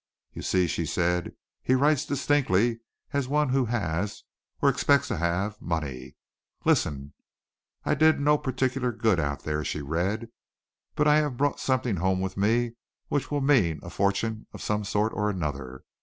"You see," she said, "he writes distinctly as one who has, or expects to have, money. Listen! 'I did no particular good out there,'" she read, "'but I have brought something home with me which will mean a fortune of some sort or another.